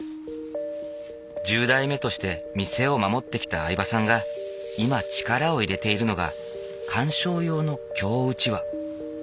１０代目として店を守ってきた饗庭さんが今力を入れているのが鑑賞用の京うちわ。